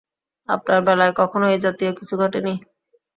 আপনার বেলায় কখনো এই জাতীয় কিছু ঘটে নি?